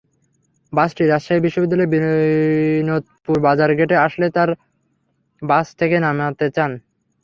বাসটি রাজশাহী বিশ্ববিদ্যালয়ের বিনোদপুর বাজার গেটে আসলে তাঁরা বাস থেকে নামতে চান।